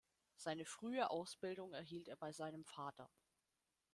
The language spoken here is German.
Seine frühe Ausbildung erhielt er bei seinem Vater.